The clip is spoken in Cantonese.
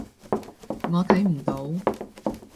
我睇唔到